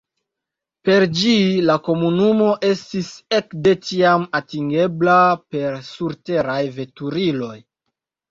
Per ĝi la komunumo estis ek de tiam atingebla per surteraj veturiloj.